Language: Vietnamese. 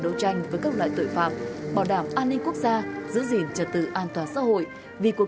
đấu tranh với các loại tội phạm bảo đảm an ninh quốc gia giữ gìn trật tự an toàn xã hội vì cuộc